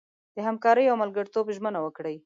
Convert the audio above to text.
د همکارۍ او ملګرتوب ژمنه وکړي.